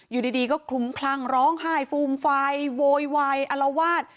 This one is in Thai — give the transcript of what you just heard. อยู่ดีก็คลุมคลั่งร้องไห้ฟูมไฟโวยวายอลวาด